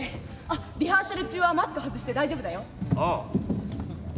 あっリハーサル中はマスク外して大丈夫だよ。ああ。